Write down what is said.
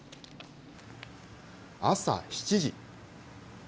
朝７時。